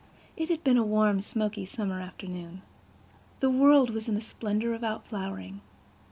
It had been a warm, smoky summer afternoon. The world was in a splendor of out flowering.